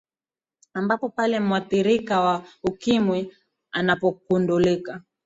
ambapo pale mwadhirika wa ukimwi anapokundulika